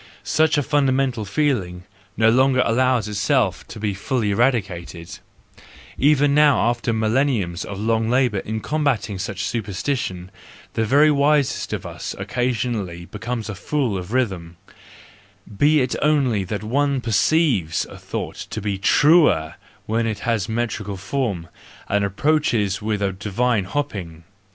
Such a fundamental feeling no longer allows itself to be fully eradicated,—and even now, after mil¬ lenniums of long labour in combating such supersti¬ tion, the very wisest of us occasionally becomes th$ 120 THE JOYFUL WISDOM, II fool of rhythm, be it only that one perceives a thought to be truer when it has a metrical form and approaches with a divine hopping.